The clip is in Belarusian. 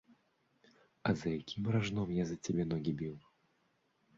А за якім ражном я з-за цябе ногі біў?